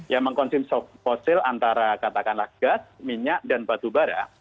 yang mengkonsumsi fosil antara katakanlah gas minyak dan batu bara